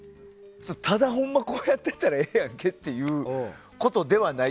ただ、ほんまこうやってたらええやんけということではない。